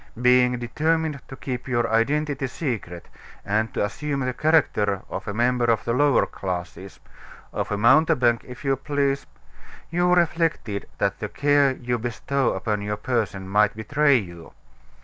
Being determined to keep your identity secret, and to assume the character of a member of the lower classes of a mountebank, if you please you reflected that the care you bestow upon your person might betray you.